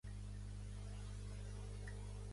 Miguel Usandizaga és un arquitecte nascut a Barcelona.